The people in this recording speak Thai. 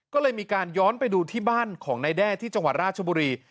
ก็เลยมีการย้อนไปดูที่บ้านของนายแด้ที่จังหวัดราชบุรี